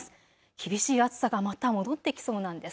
厳しい暑さがまた戻ってきそうなんです。